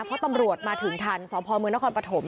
เพราะตำรวจมาถึงทันสพเมืองนครปฐม